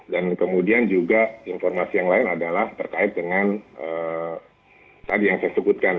dan kemudian juga informasi yang lain adalah terkait dengan tadi yang saya sebutkan